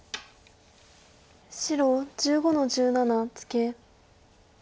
白１５の十七ツケ。